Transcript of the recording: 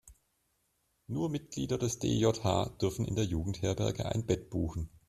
Nur Mitglieder des DJH dürfen in der Jugendherberge ein Bett buchen.